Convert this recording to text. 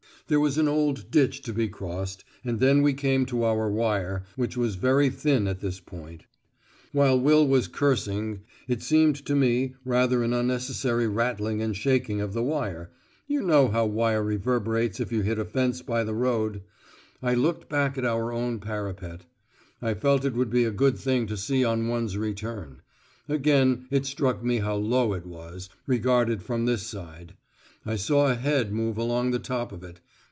There was an old ditch to be crossed, and then we came to our wire, which was very thin at this point. While Will was cursing, and making, it seemed to me, rather an unnecessary rattling and shaking of the wire (you know how wire reverberates if you hit a fence by the road), I looked back at our own parapet. I felt it would be a good thing to see on one's return; again, it struck me how low it was, regarded from this side; I saw a head move along the top of it.